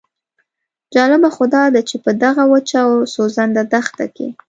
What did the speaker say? جالبه خو داده چې په دغه وچه او سوځنده دښته کې.